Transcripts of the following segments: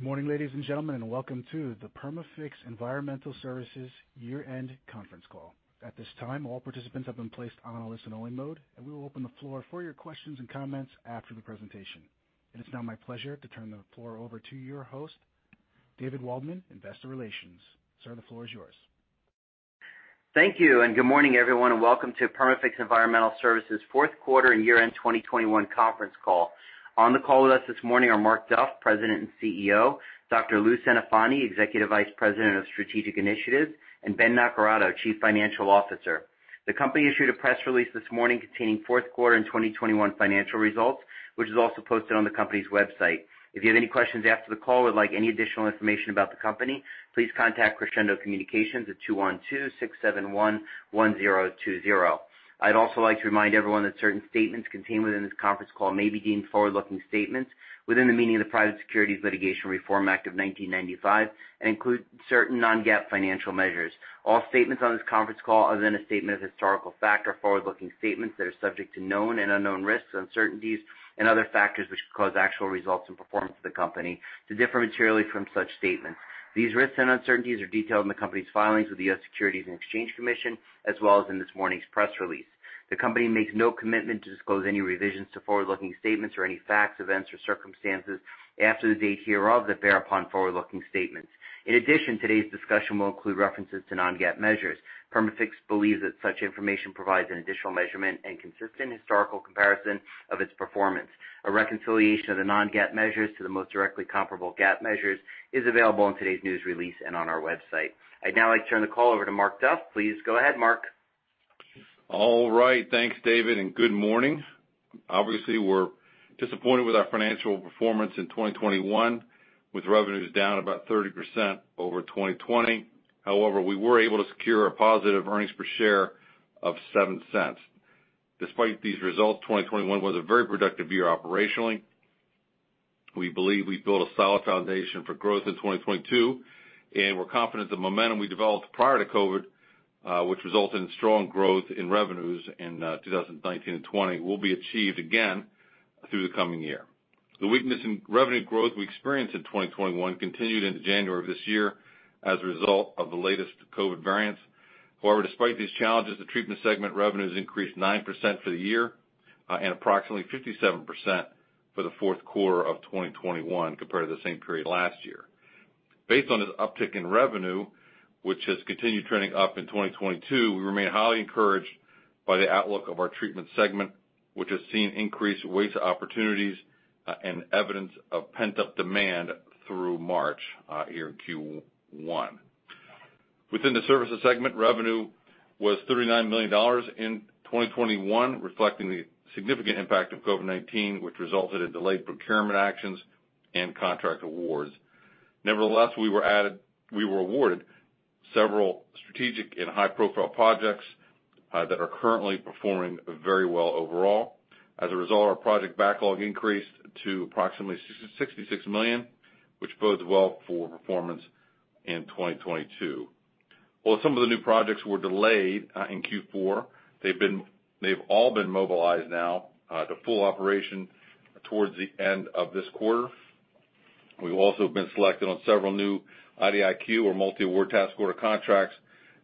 Good morning, ladies and gentlemen, and welcome to the Perma-Fix Environmental Services year-end conference call. At this time, all participants have been placed on a listen-only mode, and we will open the floor for your questions and comments after the presentation. It is now my pleasure to turn the floor over to your host, David Waldman, Investor Relations. Sir, the floor is yours. Thank you, and good morning, everyone, and welcome to Perma-Fix Environmental Services' fourth quarter and year-end 2021 conference call. On the call with us this morning are Mark Duff, President and CEO, Dr. Lou Centofanti, Executive Vice President of Strategic Initiatives, and Ben Naccarato, Chief Financial Officer. The company issued a press release this morning containing fourth quarter and 2021 financial results, which is also posted on the company's website. If you have any questions after the call or would like any additional information about the company, please contact Crescendo Communications at 212-671-1020. I'd also like to remind everyone that certain statements contained within this conference call may be deemed forward-looking statements within the meaning of the Private Securities Litigation Reform Act of 1995 and include certain non-GAAP financial measures. All statements on this conference call, other than a statement of historical fact, are forward-looking statements that are subject to known and unknown risks, uncertainties, and other factors which cause actual results and performance of the company to differ materially from such statements. These risks and uncertainties are detailed in the company's filings with the U.S. Securities and Exchange Commission, as well as in this morning's press release. The company makes no commitment to disclose any revisions to forward-looking statements or any facts, events, or circumstances after the date hereof that bear upon forward-looking statements. In addition, today's discussion will include references to non-GAAP measures. Perma-Fix believes that such information provides an additional measurement and consistent historical comparison of its performance. A reconciliation of the non-GAAP measures to the most directly comparable GAAP measures is available in today's news release and on our website. I'd now like to turn the call over to Mark Duff. Please go ahead, Mark. All right. Thanks, David, and good morning. Obviously, we're disappointed with our financial performance in 2021, with revenues down about 30% over 2020. However, we were able to secure a positive earnings per share of $0.07. Despite these results, 2021 was a very productive year operationally. We believe we've built a solid foundation for growth in 2022, and we're confident the momentum we developed prior to COVID, which resulted in strong growth in revenues in 2019 and 2020, will be achieved again through the coming year. The weakness in revenue growth we experienced in 2021 continued into January of this year as a result of the latest COVID variants. However, despite these challenges, the treatment segment revenues increased 9% for the year and approximately 57% for the fourth quarter of 2021 compared to the same period last year. Based on this uptick in revenue, which has continued trending up in 2022, we remain highly encouraged by the outlook of our treatment segment, which has seen increased waste opportunities and evidence of pent-up demand through March here in Q1. Within the services segment, revenue was $39 million in 2021, reflecting the significant impact of COVID-19, which resulted in delayed procurement actions and contract awards. Nevertheless, we were awarded several strategic and high-profile projects that are currently performing very well overall. As a result, our project backlog increased to approximately $66 million, which bodes well for performance in 2022. While some of the new projects were delayed in Q4, they've all been mobilized now to full operation towards the end of this quarter. We've also been selected on several new IDIQ or multi-award task order contracts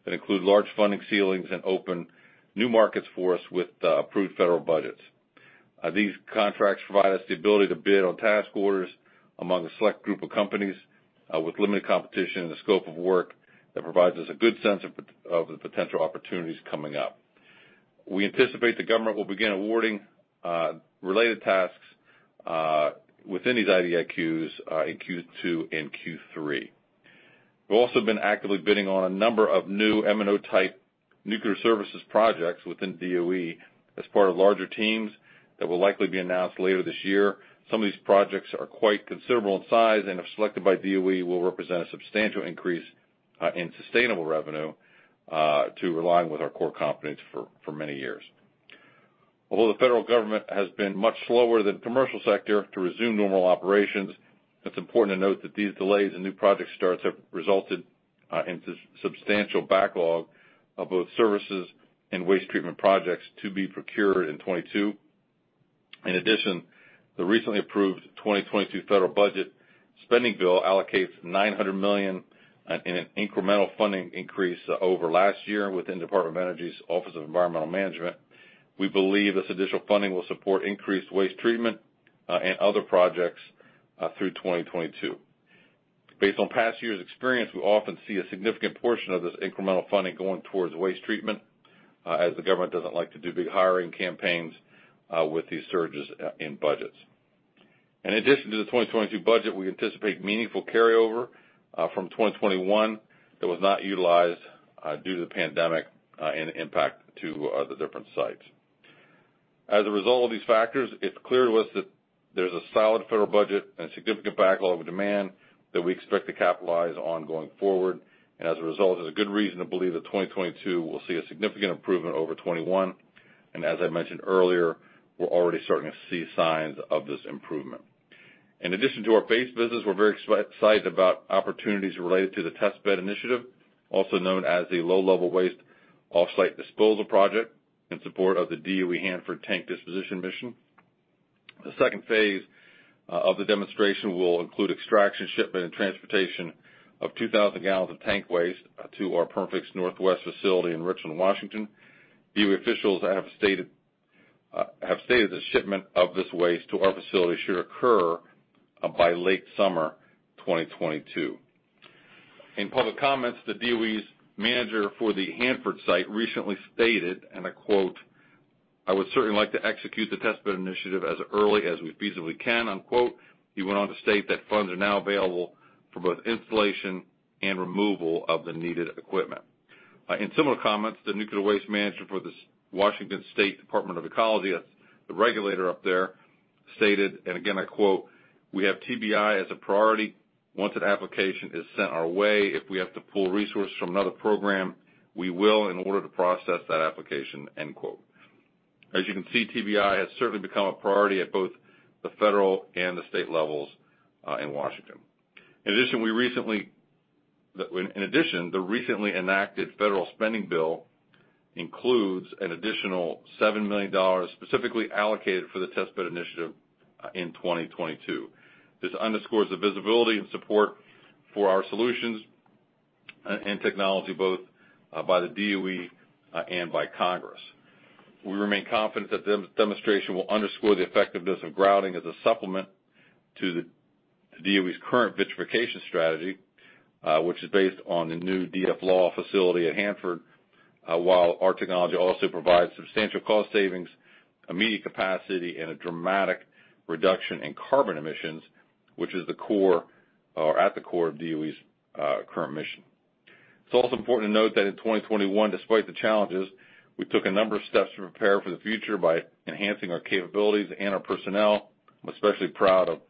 that include large funding ceilings and open new markets for us with approved federal budgets. These contracts provide us the ability to bid on task orders among a select group of companies with limited competition and the scope of work that provides us a good sense of the potential opportunities coming up. We anticipate the government will begin awarding related tasks within these IDIQs in Q2 and Q3. We've also been actively bidding on a number of new M&O-type nuclear services projects within DOE as part of larger teams that will likely be announced later this year. Some of these projects are quite considerable in size, and if selected by DOE, will represent a substantial increase in sustainable revenue to align with our core competencies for many years. Although the federal government has been much slower than commercial sector to resume normal operations, it's important to note that these delays in new project starts have resulted in substantial backlog of both services and waste treatment projects to be procured in 2022. In addition, the recently approved 2022 federal budget spending bill allocates $900 million in an incremental funding increase over last year within Department of Energy's Office of Environmental Management. We believe this additional funding will support increased waste treatment and other projects through 2022. Based on past years' experience, we often see a significant portion of this incremental funding going towards waste treatment, as the government doesn't like to do big hiring campaigns, with these surges, in budgets. In addition to the 2022 budget, we anticipate meaningful carryover, from 2021 that was not utilized, due to the pandemic, and impact to, the different sites. As a result of these factors, it's clear to us that there's a solid federal budget and significant backlog of demand that we expect to capitalize on going forward. As I mentioned earlier, we're already starting to see signs of this improvement. In addition to our base business, we're very excited about opportunities related to the test bed initiative, also known as the low-level waste off-site disposal project in support of the DOE Hanford tank disposition mission. The second phase of the demonstration will include extraction, shipment and transportation of 2,000 gallons of tank waste to our Perma-Fix Northwest facility in Richland, Washington. DOE officials have stated the shipment of this waste to our facility should occur by late summer 2022. In public comments, the DOE's manager for the Hanford site recently stated, and I quote, "I would certainly like to execute the test bed initiative as early as we feasibly can." Unquote. He went on to state that funds are now available for both installation and removal of the needed equipment. In similar comments, the nuclear waste manager for the Washington State Department of Ecology, that's the regulator up there, stated, and again I quote, "We have TBI as a priority. Once an application is sent our way, if we have to pull resources from another program, we will in order to process that application." End quote. As you can see, TBI has certainly become a priority at both the federal and the state levels in Washington. In addition, the recently enacted federal spending bill includes an additional $7 million specifically allocated for the Test Bed Initiative in 2022. This underscores the visibility and support for our solutions and technology, both by the DOE and by Congress. We remain confident that demonstration will underscore the effectiveness of grouting as a supplement to the DOE's current vitrification strategy, which is based on the new DFLAW facility at Hanford, while our technology also provides substantial cost savings, immediate capacity, and a dramatic reduction in carbon emissions, which is the core, or at the core of DOE's current mission. It's also important to note that in 2021, despite the challenges, we took a number of steps to prepare for the future by enhancing our capabilities and our personnel. I'm especially proud of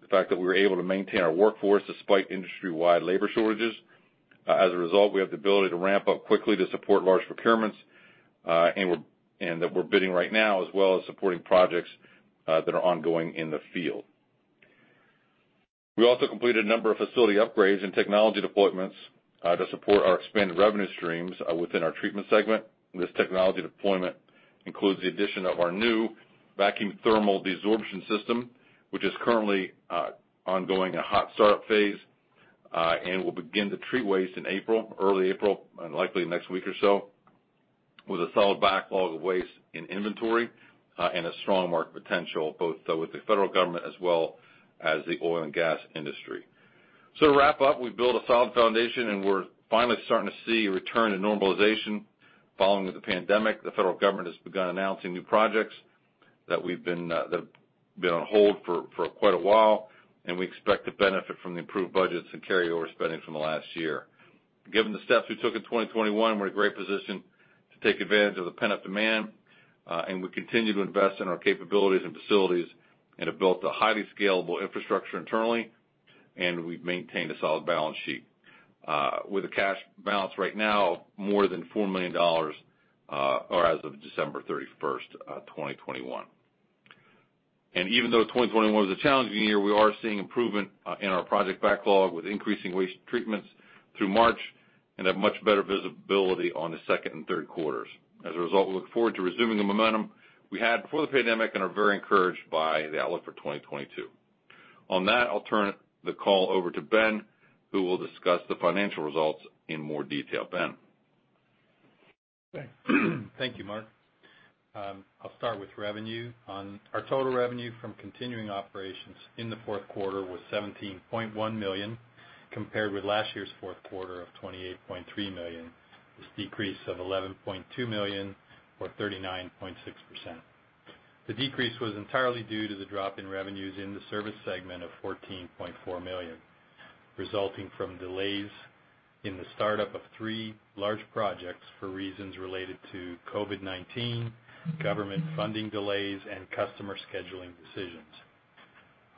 the fact that we were able to maintain our workforce despite industry-wide labor shortages. As a result, we have the ability to ramp up quickly to support large procurements, and that we're bidding right now, as well as supporting projects that are ongoing in the field. We also completed a number of facility upgrades and technology deployments to support our expanded revenue streams within our treatment segment. This technology deployment includes the addition of our new vacuum thermal desorption system, which is currently ongoing a hot start-up phase, and will begin to treat waste in April, early April, likely next week or so, with a solid backlog of waste in inventory, and a strong market potential, both with the federal government as well as the oil and gas industry. To wrap up, we've built a solid foundation, and we're finally starting to see a return to normalization following the pandemic. The federal government has begun announcing new projects that have been on hold for quite a while, and we expect to benefit from the improved budgets and carryover spending from the last year. Given the steps we took in 2021, we're in a great position to take advantage of the pent-up demand, and we continue to invest in our capabilities and facilities and have built a highly scalable infrastructure internally, and we've maintained a solid balance sheet, with a cash balance right now more than $4 million, or as of December 31, 2021. Even though 2021 was a challenging year, we are seeing improvement in our project backlog with increasing waste treatments through March and have much better visibility on the second and third quarters. As a result, we look forward to resuming the momentum we had before the pandemic and are very encouraged by the outlook for 2022. On that, I'll turn the call over to Ben, who will discuss the financial results in more detail. Ben? Thank you, Mark. I'll start with revenue. Our total revenue from continuing operations in the fourth quarter was $17.1 million compared with last year's fourth quarter of $28.3 million. This decrease of $11.2 million or 39.6% was entirely due to the drop in revenues in the Services Segment of $14.4 million, resulting from delays in the startup of three large projects for reasons related to COVID-19, government funding delays, and customer scheduling decisions.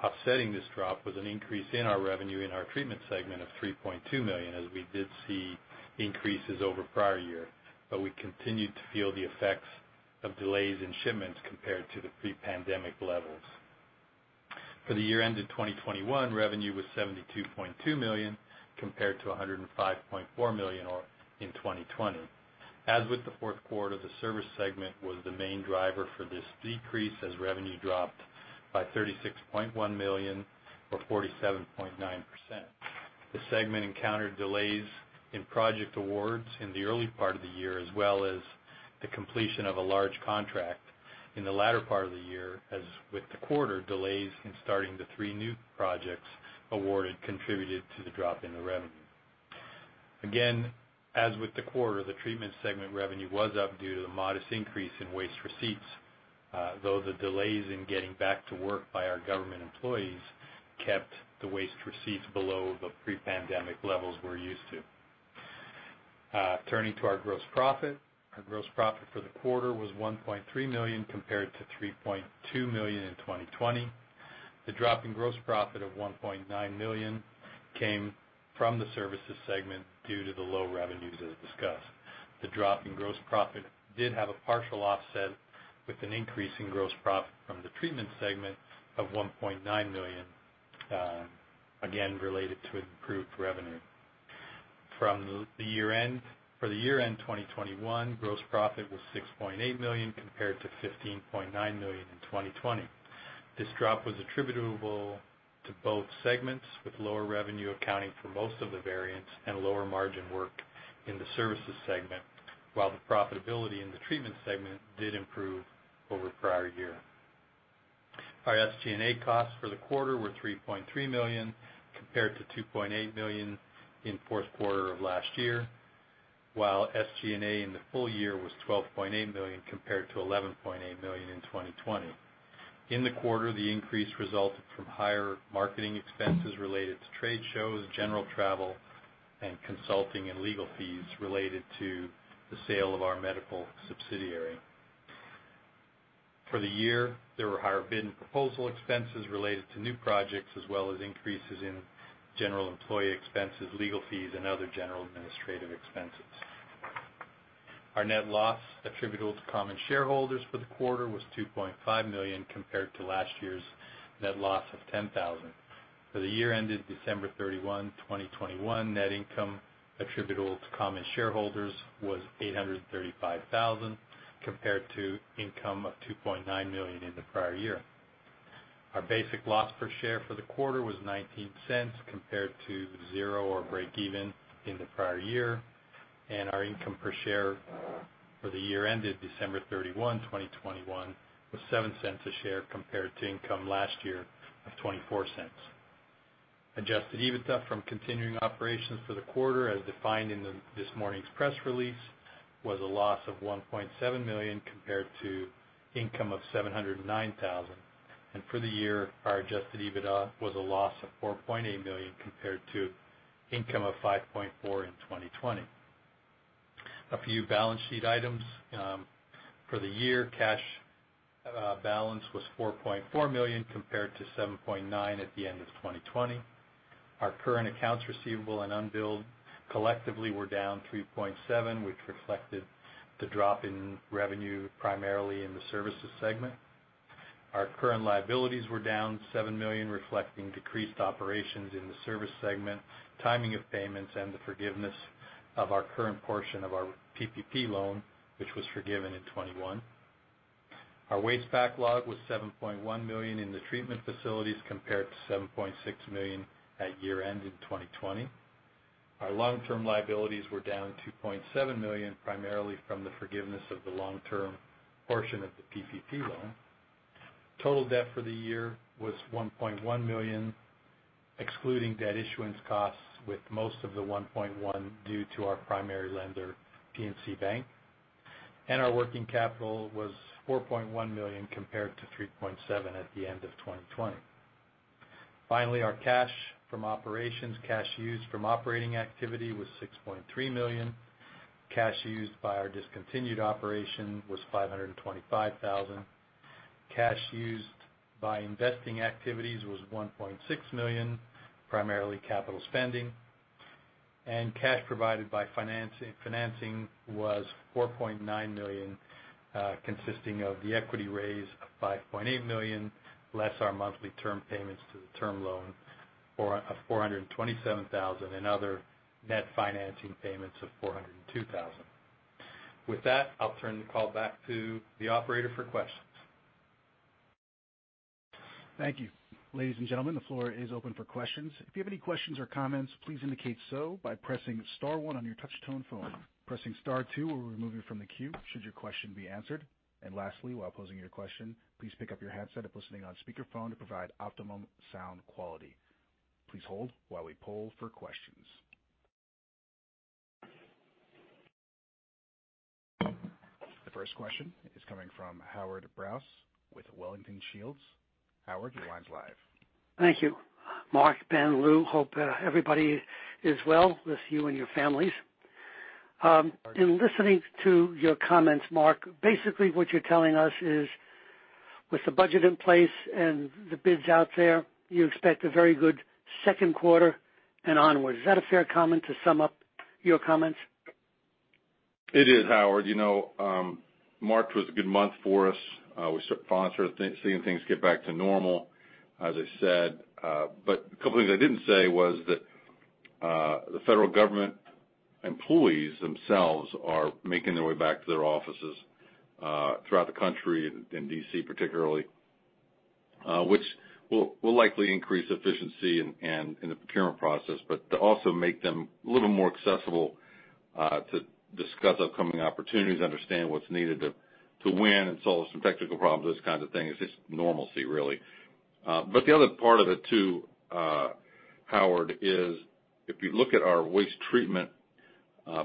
Offsetting this drop was an increase in our revenue in our Treatment Segment of $3.2 million, as we did see increases over prior year, but we continued to feel the effects of delays in shipments compared to the pre-pandemic levels. For the year ended 2021, revenue was $72.2 million compared to $105.4 million, or in 2020. As with the fourth quarter, the Service segment was the main driver for this decrease as revenue dropped by $36.1 million or 47.9%. The segment encountered delays in project awards in the early part of the year, as well as the completion of a large contract in the latter part of the year. As with the quarter, delays in starting the three new projects awarded contributed to the drop in the revenue. Again, as with the quarter, the Treatment segment revenue was up due to the modest increase in waste receipts, though the delays in getting back to work by our government employees kept the waste receipts below the pre-pandemic levels we're used to. Turning to our gross profit. Our gross profit for the quarter was $1.3 million compared to $3.2 million in 2020. The drop in gross profit of $1.9 million came from the Services segment due to the low revenues as discussed. The drop in gross profit did have a partial offset with an increase in gross profit from the Treatment segment of $1.9 million, again, related to improved revenue. For the year end 2021, gross profit was $6.8 million compared to $15.9 million in 2020. This drop was attributable to both segments, with lower revenue accounting for most of the variance and lower margin work in the Services segment, while the profitability in the Treatment segment did improve over prior year. Our SG&A costs for the quarter were $3.3 million compared to $2.8 million in fourth quarter of last year, while SG&A in the full year was $12.8 million compared to $11.8 million in 2020. In the quarter, the increase resulted from higher marketing expenses related to trade shows, general travel, and consulting and legal fees related to the sale of our medical subsidiary. For the year, there were higher bid and proposal expenses related to new projects as well as increases in general employee expenses, legal fees, and other general administrative expenses. Our net loss attributable to common shareholders for the quarter was $2.5 million compared to last year's net loss of $10,000. For the year ended December 31, 2021, net income attributable to common shareholders was $835,000, compared to income of $2.9 million in the prior year. Our basic loss per share for the quarter was $0.19, compared to zero or breakeven in the prior year. Our income per share for the year ended December 31, 2021 was $0.07 a share, compared to income last year of $0.24. Adjusted EBITDA from continuing operations for the quarter, as defined in this morning's press release, was a loss of $1.7 million compared to income of $709,000. For the year, our adjusted EBITDA was a loss of $4.8 million compared to income of $5.4 million in 2020. A few balance sheet items. For the year, cash balance was $4.4 million compared to $7.9 million at the end of 2020. Our current accounts receivable and unbilled collectively were down $3.7 million, which reflected the drop in revenue primarily in the services segment. Our current liabilities were down $7 million, reflecting decreased operations in the service segment, timing of payments, and the forgiveness of our current portion of our PPP loan, which was forgiven in 2021. Our waste backlog was $7.1 million in the treatment facilities, compared to $7.6 million at year-end in 2020. Our long-term liabilities were down $2.77million, primarily from the forgiveness of the long-term portion of the PPP loan. Total debt for the year was $1.1 million, excluding debt issuance costs, with most of the $1.1 million due to our primary lender, PNC Bank. Our working capital was $4.1 million compared to $3.7 million at the end of 2020. Finally, cash used from operating activities was $6.3 million. Cash used by our discontinued operation was $525,000. Cash used by investing activities was $1.6 million, primarily capital spending. Cash provided by financing was $4.9 million, consisting of the equity raise of $5.8 million, less our monthly term payments to the term loan for $427,000 and other net financing payments of $402,000. With that, I'll turn the call back to the operator for questions. Thank you. Ladies and gentlemen, the floor is open for questions. If you have any questions or comments, please indicate so by pressing star one on your touch-tone phone. Pressing star two will remove you from the queue should your question be answered. Lastly, while posing your question, please pick up your handset if listening on speakerphone to provide optimum sound quality. Please hold while we poll for questions. The first question is coming from Howard Brous with Wellington Shields. Howard, your line's live. Thank you, Mark, Ben, Lou. Hope everybody is well with you and your families. In listening to your comments, Mark, basically what you're telling us is with the budget in place and the bids out there, you expect a very good second quarter and onwards. Is that a fair comment to sum up your comments? It is, Howard. You know, March was a good month for us. We finally started seeing things get back to normal, as I said. A couple of things I didn't say was that the federal government employees themselves are making their way back to their offices throughout the country and D.C. particularly, which will likely increase efficiency in the procurement process, but to also make them a little more accessible to discuss upcoming opportunities, understand what's needed to win and solve some technical problems, those kind of things. It's just normalcy, really. The other part of it too, Howard, is if you look at our waste treatment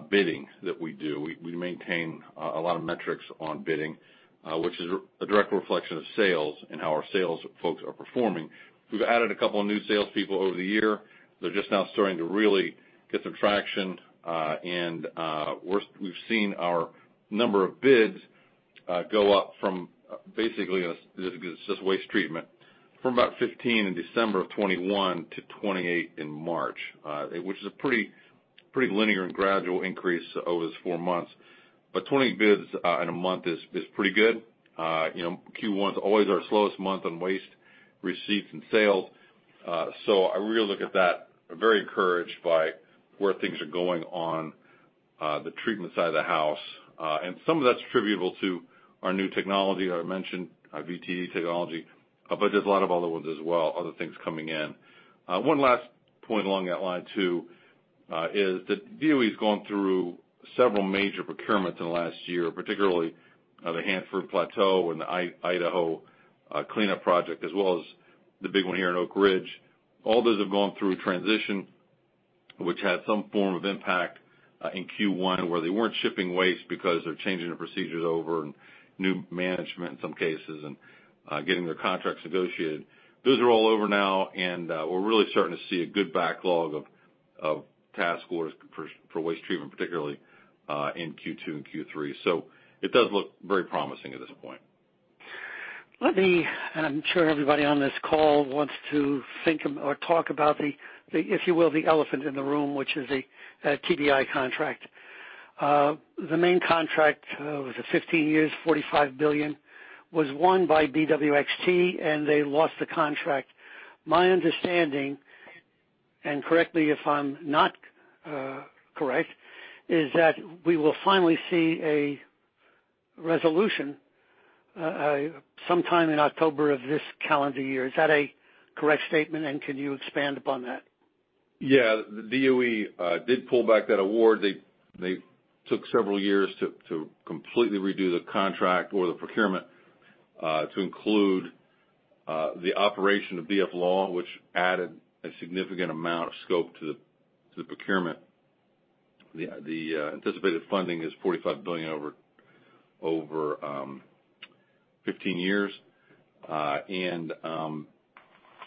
bidding that we do, we maintain a lot of metrics on bidding, which is a direct reflection of sales and how our sales folks are performing. We've added a couple of new salespeople over the year. They're just now starting to really get some traction, and we've seen our number of bids go up from basically, this is just waste treatment, from about 15 in December 2021 to 28 in March, which is a pretty Pretty linear and gradual increase over those four months. 20 bids in a month is pretty good. You know, Q1 is always our slowest month on waste receipts and sales. I really look at that. I'm very encouraged by where things are going on the treatment side of the house. Some of that's attributable to our new technology. I mentioned our VTD technology, but there's a lot of other ones as well, other things coming in. One last point along that line too is that DOE has gone through several major procurements in the last year, particularly the Central Plateau and the Idaho cleanup project, as well as the big one here in Oak Ridge. All those have gone through a transition which had some form of impact in Q1, where they weren't shipping waste because they're changing their procedures over and new management in some cases and getting their contracts negotiated. Those are all over now, and we're really starting to see a good backlog of task orders for waste treatment, particularly in Q2 and Q3. It does look very promising at this point. Let me, and I'm sure everybody on this call wants to think or talk about the, if you will, the elephant in the room, which is a TBI contract. The main contract, was it 15 years, $45 billion, was won by BWXT, and they lost the contract. My understanding, and correct me if I'm not correct, is that we will finally see a resolution, sometime in October of this calendar year. Is that a correct statement, and can you expand upon that? Yeah. The DOE did pull back that award. They took several years to completely redo the contract or the procurement to include the operation of DF-LAW, which added a significant amount of scope to the procurement. The anticipated funding is $45 billion over 15 years.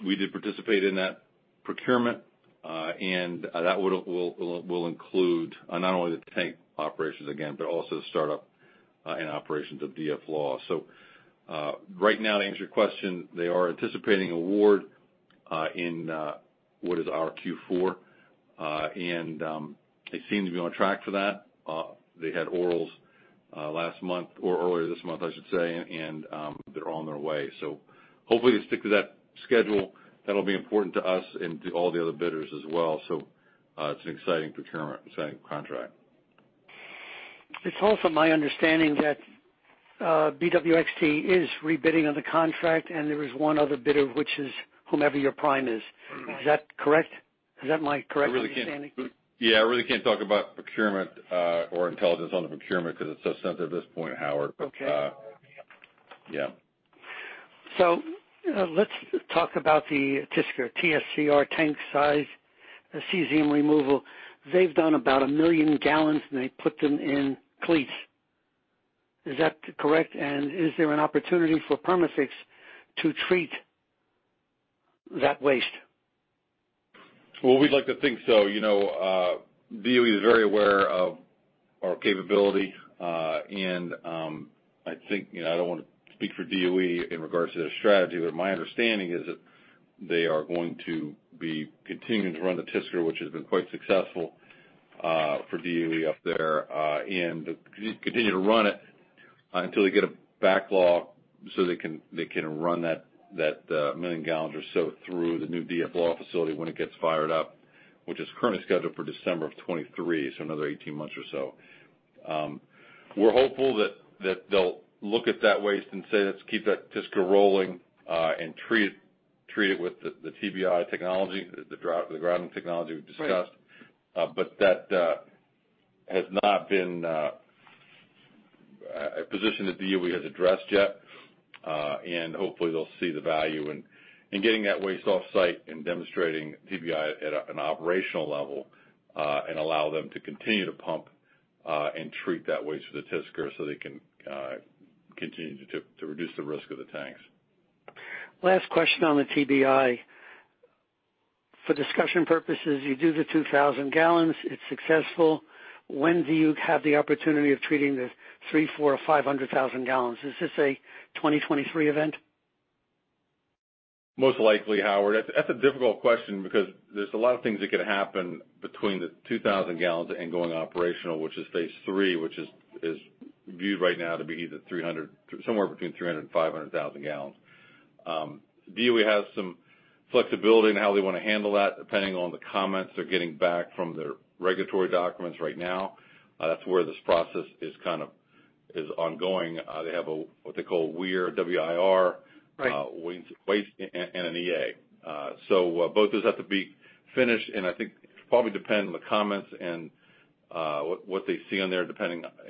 We did participate in that procurement, and that will include not only the tank operations again, but also the startup and operations of DF-LAW. Right now to answer your question, they are anticipating award in what is our Q4. They seem to be on track for that. They had orals last month or earlier this month, I should say, and they're on their way. Hopefully they stick to that schedule. That'll be important to us and to all the other bidders as well. It's an exciting procurement, exciting contract. It's also my understanding that, BWXT is rebidding on the contract, and there is one other bidder, which is whomever your prime is. Is that correct? Is that my correct understanding? Yeah. I really can't talk about procurement, or intelligence on the procurement 'cause it's so sensitive at this point, Howard. Okay. Yeah. Let's talk about the TSCR, tank-side cesium removal. They've done about 1 million gallons, and they put them in cleats. Is that correct? Is there an opportunity for Perma-Fix to treat that waste? Well, we'd like to think so. You know, DOE is very aware of our capability. I think, you know, I don't wanna speak for DOE in regards to their strategy, but my understanding is that they are going to be continuing to run the TSCR, which has been quite successful for DOE up there, and continue to run it until they get a backlog, so they can run that million gallons or so through the new DF-LAW facility when it gets fired up, which is currently scheduled for December of 2023, so another 18 months or so. We're hopeful that they'll look at that waste and say, "Let's keep that TSCR rolling and treat it with the TBI technology, the grouting technology we've discussed. Right. That has not been a position that DOE has addressed yet. Hopefully they'll see the value in getting that waste off-site and demonstrating TBI at an operational level and allow them to continue to pump and treat that waste through the TSCR so they can continue to reduce the risk of the tanks. Last question on the TBI. For discussion purposes, you do the 2,000 gallons, it's successful. When do you have the opportunity of treating the 300,000, 400,000 or 500,000 gallons? Is this a 2023 event? Most likely, Howard. That's a difficult question because there's a lot of things that could happen between the 2,000 gallons and going operational, which is phase three, which is viewed right now to be either 300—somewhere between 300 and 500,000 gallons. DOE has some flexibility in how they wanna handle that, depending on the comments they're getting back from their regulatory documents right now. That's where this process is kind of ongoing. They have what they call WIR. Right Waste and an EA. Both those have to be finished. I think it probably depend on the comments and what they see on there.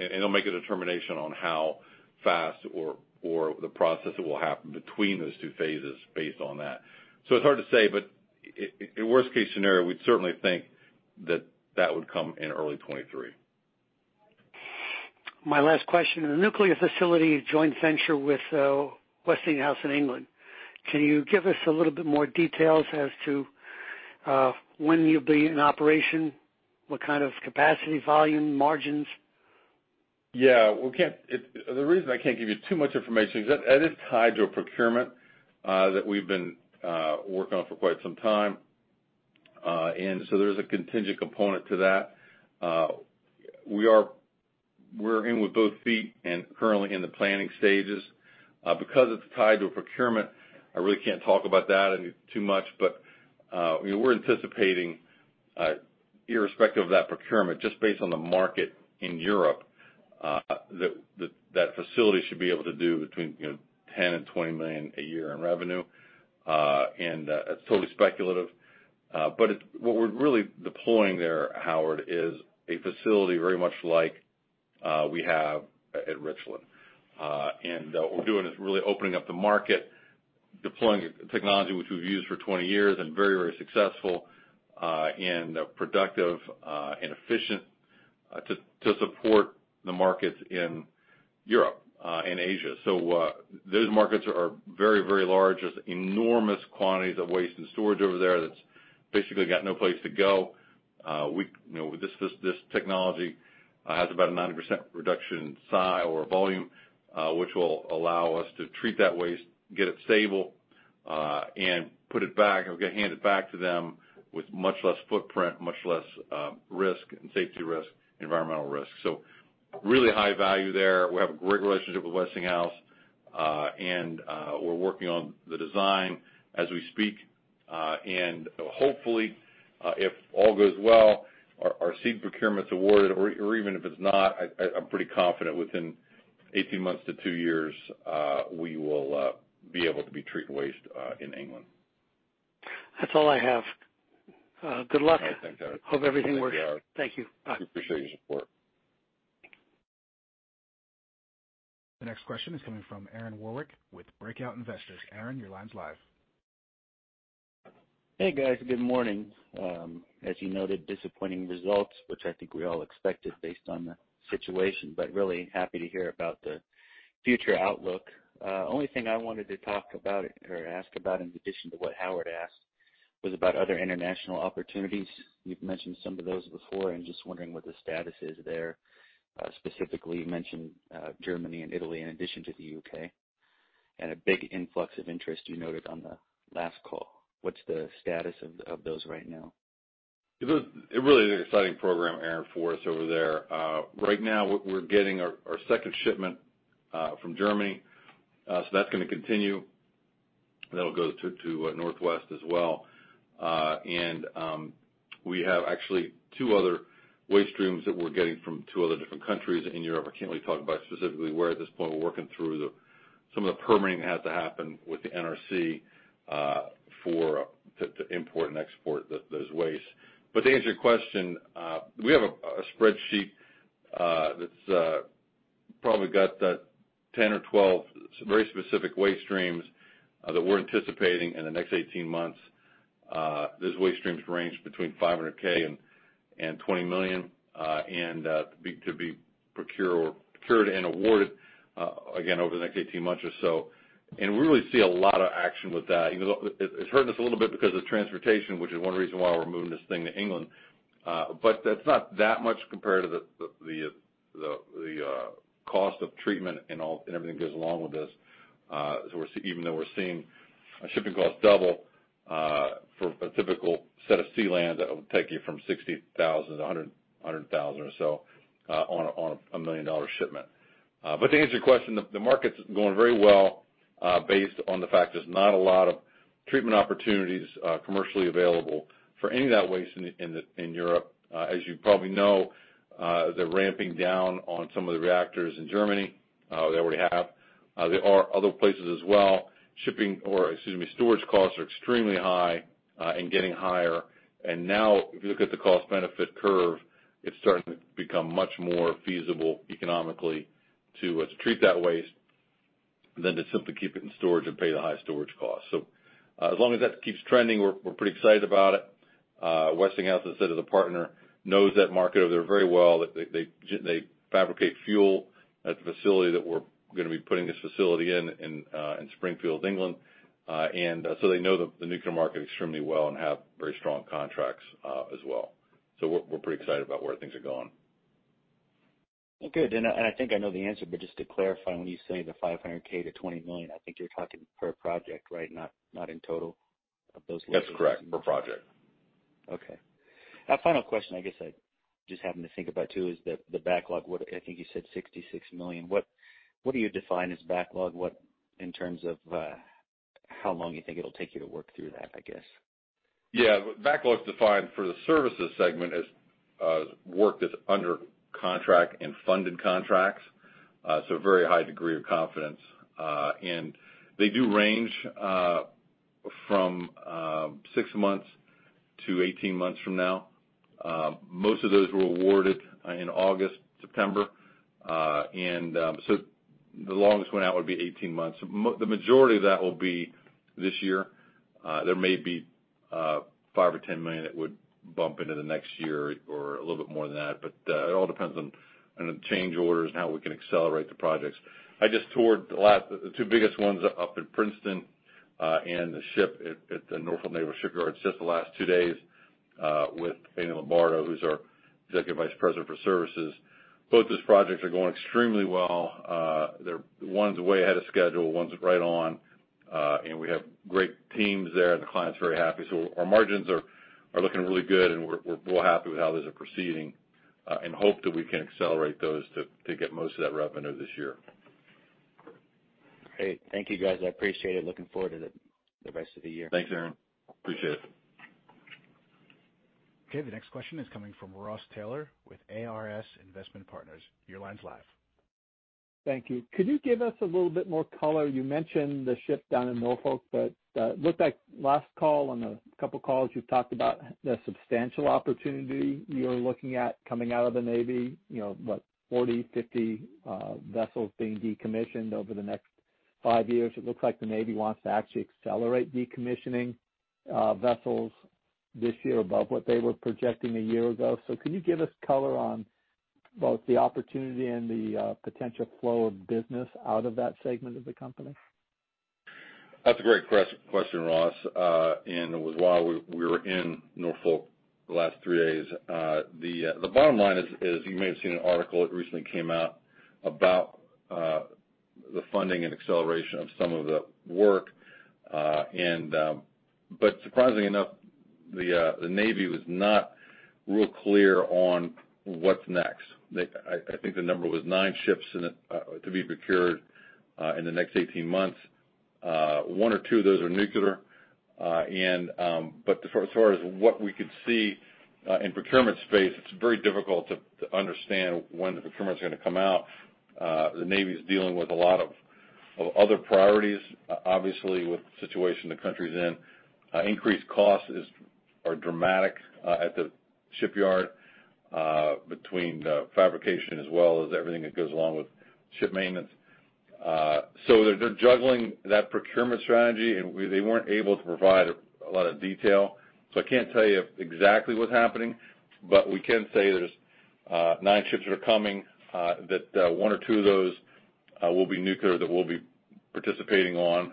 They'll make a determination on how fast or the process that will happen between those two phases based on that. It's hard to say, but in worst case scenario, we'd certainly think that would come in early 2023. My last question, the nuclear facility joint venture with Westinghouse in England. Can you give us a little bit more details as to when you'll be in operation? What kind of capacity, volume, margins? The reason I can't give you too much information is that that is tied to a procurement that we've been working on for quite some time. There's a contingent component to that. We're in with both feet and currently in the planning stages. Because it's tied to a procurement, I really can't talk about that too much. We're anticipating, irrespective of that procurement, just based on the market in Europe, that facility should be able to do between, you know, $10 million and $20 million a year in revenue. It's totally speculative, but what we're really deploying there, Howard, is a facility very much like we have at Richland. What we're doing is really opening up the market, deploying technology which we've used for 20 years and very successful, and productive, and efficient, to support the markets in Europe and Asia. Those markets are very large. There's enormous quantities of waste and storage over there that's basically got no place to go. You know, this technology has about a 90% reduction in size or volume, which will allow us to treat that waste, get it stable, and put it back or hand it back to them with much less footprint, much less risk and safety risk, environmental risk. Really high value there. We have a great relationship with Westinghouse, and we're working on the design as we speak. Hopefully, if all goes well, our seed procurement's awarded or even if it's not, I'm pretty confident within 18 months to two years, we will be able to be treating waste in England. That's all I have. Good luck. All right. Thanks, Howard. Hope everything works. Thank you, Howard. Thank you. Bye. We appreciate your support. The next question is coming from Aaron Warwick with Breakout Investors. Aaron, your line's live. Hey, guys. Good morning. As you noted, disappointing results, which I think we all expected based on the situation, but really happy to hear about the future outlook. Only thing I wanted to talk about or ask about in addition to what Howard asked, was about other international opportunities. You've mentioned some of those before, and just wondering what the status is there. Specifically, you mentioned Germany and Italy in addition to the U.K. Had a big influx of interest you noted on the last call. What's the status of those right now? It really is an exciting program, Aaron, for us over there. Right now, we're getting our second shipment from Germany, so that's gonna continue. That'll go to Northwest as well. We have actually two other waste streams that we're getting from two other different countries in Europe. I can't really talk about specifically where at this point. We're working through some of the permitting that has to happen with the NRC to import and export those wastes. To answer your question, we have a spreadsheet that's probably got that 10 or 12 very specific waste streams that we're anticipating in the next 18 months. Those waste streams range between $500K and $20 million to be procured and awarded again over the next 18 months or so. We really see a lot of action with that. Even though it's hurting us a little bit because of transportation, which is one reason why we're moving this thing to England. That's not that much compared to the cost of treatment and everything that goes along with this. Even though we're seeing our shipping costs double for a typical set of sea land, that would take you from $60,000 to $100,000 or so on a $1 million shipment. To answer your question, the market's going very well based on the fact there's not a lot of treatment opportunities commercially available for any of that waste in Europe. As you probably know, they're ramping down on some of the reactors in Germany. They already have. There are other places as well. Storage costs are extremely high and getting higher. Now, if you look at the cost benefit curve, it's starting to become much more feasible economically to treat that waste than to simply keep it in storage and pay the high storage costs. As long as that keeps trending, we're pretty excited about it. Westinghouse, our partner, knows that market over there very well. They fabricate fuel at the facility that we're gonna be putting this facility in Springfields, England. They know the nuclear market extremely well and have very strong contracts as well. We're pretty excited about where things are going. Good. I think I know the answer, but just to clarify, when you say the $500K-$20 million, I think you're talking per project, right? Not in total of those levels. That's correct. Per project. Okay. A final question, I guess I just happened to think about, too, is the backlog. What I think you said $66 million. What do you define as backlog? In terms of how long you think it'll take you to work through that, I guess. Backlog's defined for the services segment as work that's under contract and funded contracts. Very high degree of confidence. They do range from 6 months to 18 months from now. Most of those were awarded in August, September. The longest one out would be 18 months. The majority of that will be this year. There may be $5 million or $10 million that would bump into the next year or a little bit more than that, but it all depends on the change orders and how we can accelerate the projects. I just toured the two biggest ones up at Princeton and the ship at the Norfolk Naval Shipyard. Just the last 2 days with Andrew Lombardo, who's our Executive Vice President for Services. Both those projects are going extremely well. They're one's way ahead of schedule, one's right on. We have great teams there, and the client's very happy. Our margins are looking really good, and we're real happy with how those are proceeding, and hope that we can accelerate those to get most of that revenue this year. Great. Thank you, guys. I appreciate it. Looking forward to the rest of the year. Thanks, Aaron. Appreciate it. Okay. The next question is coming from Ross Taylor with ARS Investment Partners. Your line's live. Thank you. Could you give us a little bit more color? You mentioned the ship down in Norfolk, but looked like last call, on a couple calls, you've talked about the substantial opportunity you're looking at coming out of the Navy, you know, what, 40, 50 vessels being decommissioned over the next five years. It looks like the Navy wants to actually accelerate decommissioning vessels this year above what they were projecting a year ago. Can you give us color on both the opportunity and the potential flow of business out of that segment of the company? That's a great question, Ross. It was why we were in Norfolk the last three days. The bottom line is you may have seen an article that recently came out about the funding and acceleration of some of the work. Surprisingly enough, the Navy was not real clear on what's next. I think the number was nine ships in it to be procured in the next 18 months. One or two of those are nuclear. As far as what we could see in procurement space, it's very difficult to understand when the procurement's gonna come out. The Navy's dealing with a lot of other priorities, obviously, with the situation the country's in. Increased costs are dramatic at the shipyard between the fabrication as well as everything that goes along with ship maintenance. They're juggling that procurement strategy, they weren't able to provide a lot of detail. I can't tell you exactly what's happening, but we can say there's nine ships that are coming, that one or two of those will be nuclear that we'll be participating on.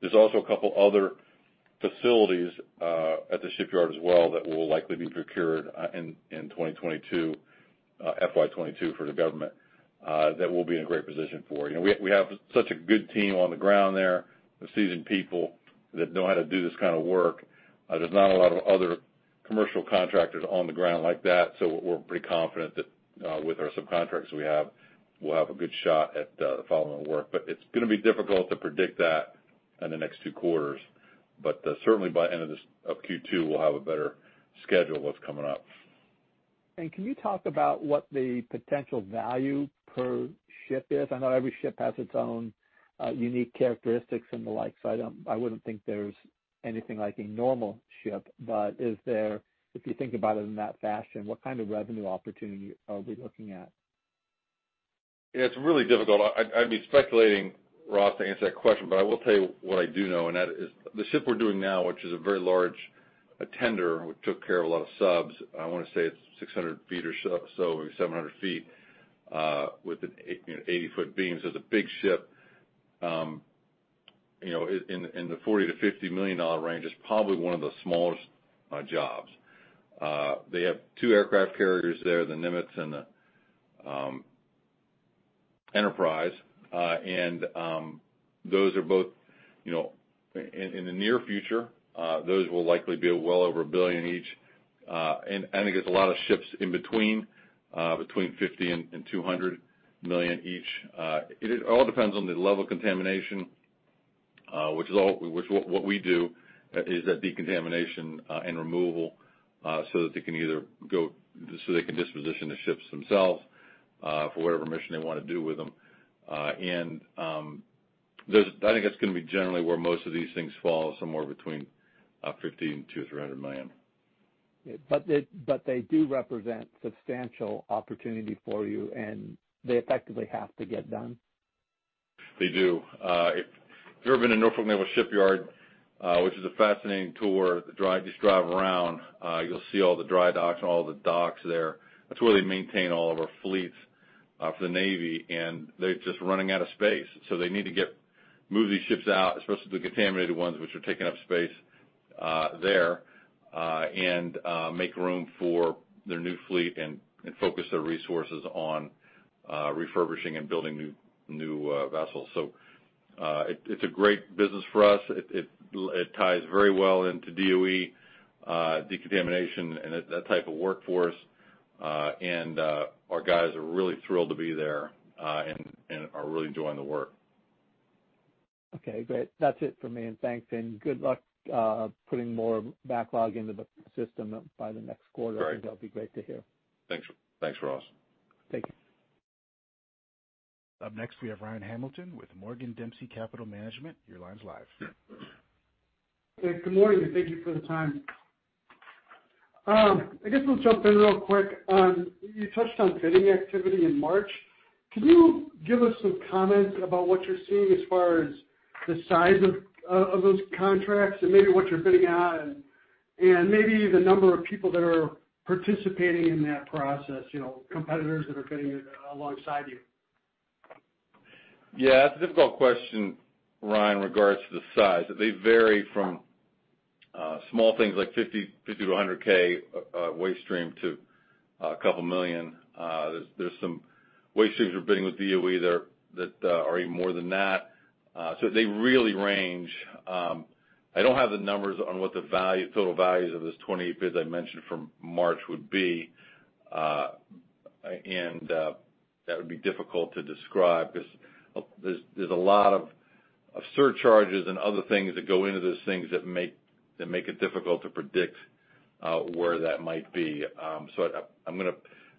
There's also a couple other facilities at the shipyard as well that will likely be procured in 2022, FY 2022 for the government that we'll be in a great position for. You know, we have such a good team on the ground there of seasoned people that know how to do this kind of work. There's not a lot of other commercial contractors on the ground like that, so we're pretty confident that, with our subcontractors we have, we'll have a good shot at, the following work. It's gonna be difficult to predict that in the next two quarters. Certainly by end of this Q2, we'll have a better schedule what's coming up. Can you talk about what the potential value per ship is? I know every ship has its own unique characteristics and the like, so I wouldn't think there's anything like a normal ship. Is there, if you think about it in that fashion, what kind of revenue opportunity are we looking at? It's really difficult. I'd be speculating, Ross, to answer that question, but I will tell you what I do know, and that is the ship we're doing now, which is a very large tender, which took care of a lot of subs. I wanna say it's 600 feet or so maybe 700 feet with an 80-foot beam, so it's a big ship. You know, in the $40 million-$50 million range. It's probably one of the smallest jobs. They have two aircraft carriers there, the Nimitz and the Enterprise. And those are both, you know, in the near future, those will likely be well over $1 billion each. And I think there's a lot of ships in between $50 million and $200 million each. It all depends on the level of contamination, which is what we do is decontamination and removal, so they can disposition the ships themselves for whatever mission they wanna do with them. I think that's gonna be generally where most of these things fall, somewhere between $50 million and $200-$300 million. they do represent substantial opportunity for you, and they effectively have to get done. They do. If you've ever been to Norfolk Naval Shipyard, which is a fascinating tour, the drive, just drive around, you'll see all the dry docks and all the docks there. That's where they maintain all of our fleets for the Navy, and they're just running out of space. They need to move these ships out, especially the contaminated ones which are taking up space there, and make room for their new fleet and focus their resources on refurbishing and building new vessels. It's a great business for us. It ties very well into DOE decontamination and that type of workforce. Our guys are really thrilled to be there and are really enjoying the work. Okay, great. That's it for me, and thanks, and good luck, putting more backlog into the system by the next quarter. Great. That'll be great to hear. Thanks. Thanks, Ross. Thank you. Up next, we have Ryan Hamilton with Morgan Dempsey Capital Management. Your line's live. Okay, good morning, and thank you for the time. I guess we'll jump in real quick. You touched on bidding activity in March. Can you give us some comments about what you're seeing as far as the size of those contracts and maybe what you're bidding on and maybe the number of people that are participating in that process, you know, competitors that are bidding it alongside you. Yeah. It's a difficult question, Ryan, in regards to the size. They vary from small things like $50K to $100K waste stream to a couple million. There's some waste streams we're bidding with DOE there that are even more than that. So they really range. I don't have the numbers on what the value, total values of those 28 bids I mentioned from March would be. And that would be difficult to describe 'cause there's a lot of surcharges and other things that go into those things that make it difficult to predict where that might be. So I'm gonna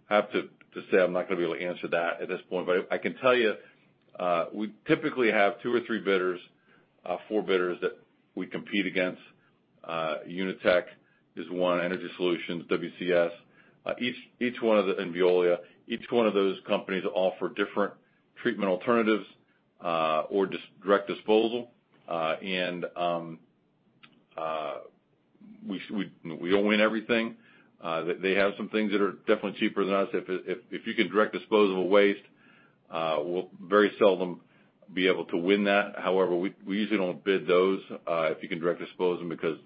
have to say I'm not gonna be able to answer that at this point. I can tell you, we typically have two three bidders, four bidders that we compete against. Unitech is one, EnergySolutions, WCS. And Veolia. Each one of those companies offer different treatment alternatives, or direct disposal. And we don't win everything. They have some things that are definitely cheaper than us. If you could direct dispose of a waste, we'll very seldom be able to win that. However, we usually don't bid those, if you can direct dispose them because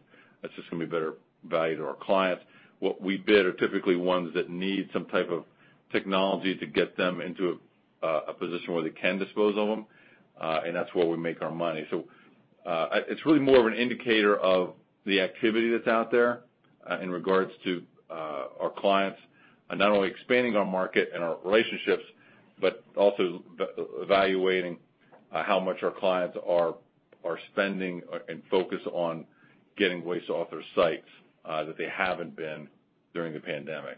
that's just gonna be better value to our clients. What we bid are typically ones that need some type of technology to get them into a position where they can dispose of them, and that's where we make our money. It's really more of an indicator of the activity that's out there in regards to our clients, not only expanding our market and our relationships, but also evaluating how much our clients are spending and focus on getting waste off their sites that they haven't been during the pandemic.